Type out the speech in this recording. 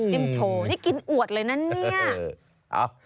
จิ้มโชว์นี่กินอวดเลยนะนี่